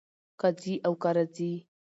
کۀ ځي او کۀ راځي